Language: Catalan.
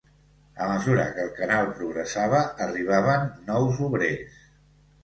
A mesura que el canal progressava arribaven nous obrers.